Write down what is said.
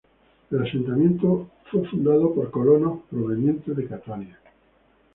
El asentamiento fue fundado por colonos provenientes de Catania.